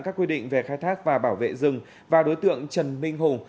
các quy định về khai thác và bảo vệ rừng và đối tượng trần minh hùng